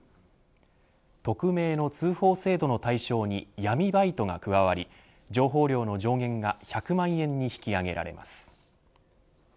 匿名の通報制度の対象に闇バイトが加わり情報料の上限が１００万円に引き上げられます。